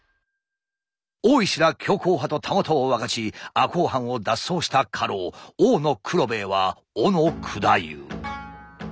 大石ら強硬派とたもとを分かち赤穂藩を脱走した家老大野九郎兵衛は斧九太夫。